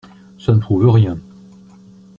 Ça ne prouve rien…